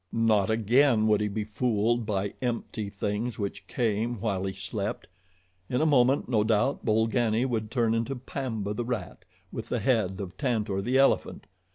Not again would he be fooled by empty things which came while he slept! In a moment, no doubt, Bolgani would turn into Pamba, the rat, with the head of Tantor, the elephant.